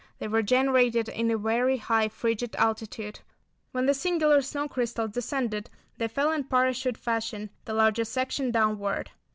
They were generated in a very high, frigid altitude. When these singular snow crystals descended they fell in parachute fashion, the larger section downward.